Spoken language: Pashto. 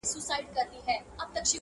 کله هسک ته کله ستورو ته ختلای!.